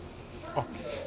あっ